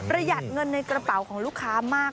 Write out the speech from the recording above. หยัดเงินในกระเป๋าของลูกค้ามาก